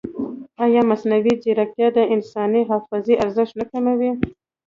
ایا مصنوعي ځیرکتیا د انساني حافظې ارزښت نه کموي؟